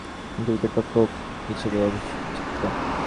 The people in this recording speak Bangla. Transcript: তিনি উইকেট-রক্ষক হিসেবে অভিষিক্ত হন।